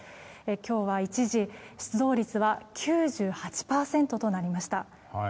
今日は一時出動率は９８％となりました。